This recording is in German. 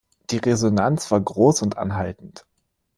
Die Resonanz war groß und anhaltend.